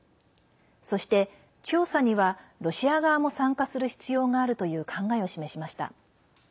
そして調査には、ロシア側も参加する必要があるという考えを示しました。